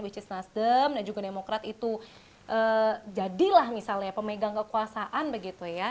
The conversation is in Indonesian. which is nasdem dan juga demokrat itu jadilah misalnya pemegang kekuasaan begitu ya